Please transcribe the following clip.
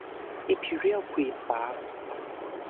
อิมพีเรียลควีนส์ปาร์ค